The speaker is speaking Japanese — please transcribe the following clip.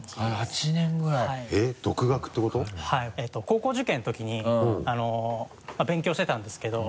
高校受験のときに勉強してたんですけど。